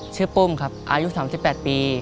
ปุ้มครับอายุ๓๘ปี